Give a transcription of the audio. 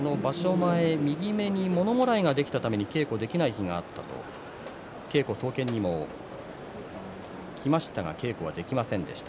前、右目にものもらいができて稽古できない日があって稽古総見にも来ましたが稽古はできませんでした。